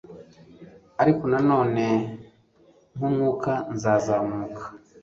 ariko nanone, nkumwuka, nzazamuka